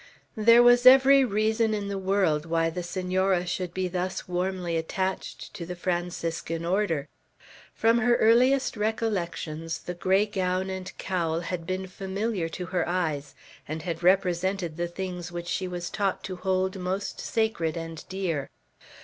There was every reason in the world why the Senora should be thus warmly attached to the Franciscan Order. From her earliest recollections the gray gown and cowl had been familiar to her eyes, and had represented the things which she was taught to hold most sacred and dear.